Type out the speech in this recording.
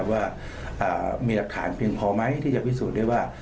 ว่ามีหลักฐานเพียงพอไหมที่จะพิสูจน์ได้ว่า